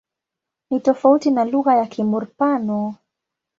Ni tofauti na lugha ya Kimur-Pano.